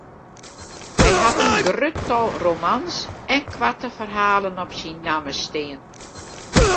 Hy hat in grut tal romans en koarte ferhalen op syn namme stean.